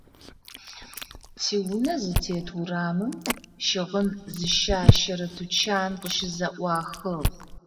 Тиунэ зытет урамым щыгъын зыщащэрэ тучан къыщызэӀуахыгъ.